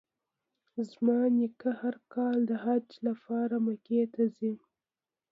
زما نیکه هر کال د حج لپاره مکې ته ځي.